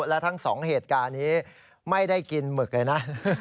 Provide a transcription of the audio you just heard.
และทั้งสองเหตุการณ์นี้ไม่ได้กินหมึกเลยนะ